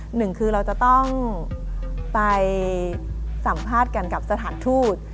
หนึ่งคือเราจะต้องไปสัมภาษณ์กันกับสถานทูต